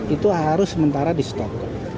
itu harus sementara di stop